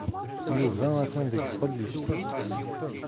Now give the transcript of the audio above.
Yuba atan deg tɣellist.